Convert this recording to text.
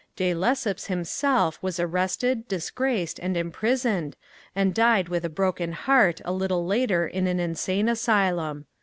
De Lesseps himself was arrested, disgraced, and imprisoned and died with a broken heart a little later in an insane asylum.